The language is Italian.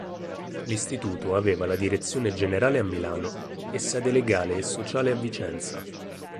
L'istituto aveva la direzione generale a Milano e sede legale e sociale a Vicenza.